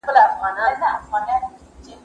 زه مخکي مېوې خوړلي وه!.